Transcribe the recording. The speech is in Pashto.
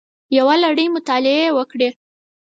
یوه لړۍ مطالعې یې وکړې